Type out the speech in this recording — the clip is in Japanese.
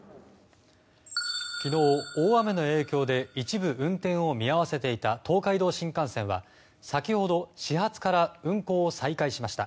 昨日、大雨の影響で一部運転を見合わせていた東海道新幹線は先ほど、始発から運行を再開しました。